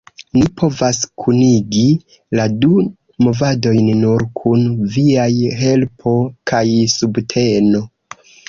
Ni povas kunigi la du movadojn nur kun viaj helpo kaj subteno.